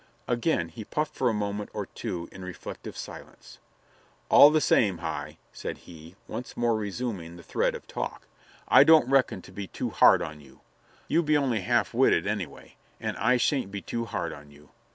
Again he puffed for a moment or two in reflective silence. "All the same, Hi," said he, once more resuming the thread of talk, "I don't reckon to be too hard on you. You be only half witted, anyway, and I sha'n't be too hard on you.